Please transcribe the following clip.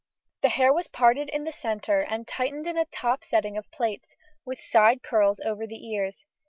The hair was parted in the centre and tightened in a top setting of plaits, with side curls over the ears.